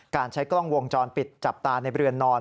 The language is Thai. ใช้กล้องวงจรปิดจับตาในเรือนนอน